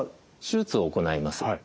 手術を行います。